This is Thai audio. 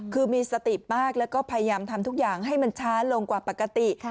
คือมีสติมากแล้วก็พยายามทำทุกอย่างให้มันช้าลงกว่าปกติ